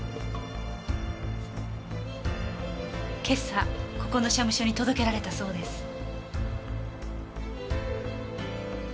今朝ここの社務所に届けられたそうです。